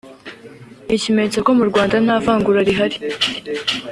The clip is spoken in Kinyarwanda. ni ikimenyetso ko mu Rwanda ntavangura rihari